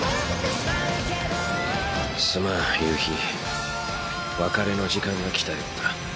すまん夕日別れの時間が来たようだ。